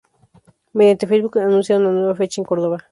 Mediante Facebook anuncian una nueva fecha en Córdoba.